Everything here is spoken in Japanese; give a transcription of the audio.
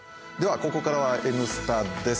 ここからは「Ｎスタ」です。